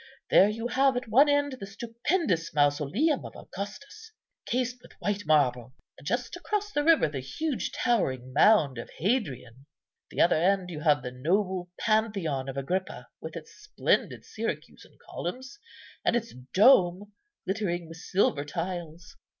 There you have at one end the stupendous mausoleum of Augustus, cased with white marble, and just across the river the huge towering mound of Hadrian. At the other end you have the noble Pantheon of Agrippa, with its splendid Syracusan columns, and its dome glittering with silver tiles.